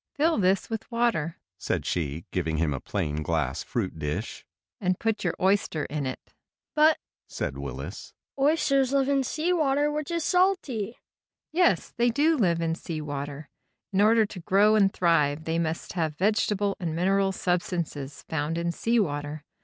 "Fill this with water," said she, giving him a plain glass fruit dish, "and put your oyster in it." "But," said Willis, "oysters live in sea water, which is salty." "Yes; they do live in sea water. In order to grow and thrive they must have vegetable and mineral substances found in sea water.